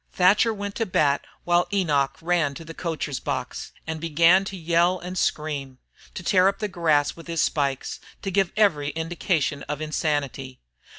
Thatcher went to bat while Enoch ran to the coacher's box and began to yell and screech, to tear up the grass with his spikes, to give every indication of insanity.